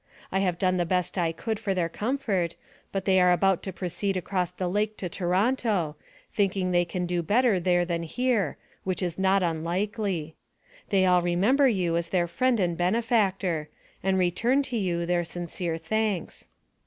I have done the best I could for their comfort, but they are about to proceed across the lake to Toronto, thinking they can do better there than here, which is not unlikely. They all remember you as their friend and benefactor, and return to you their sincere thanks.